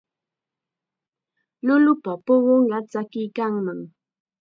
Llullupa pupunqa tsakiykannam.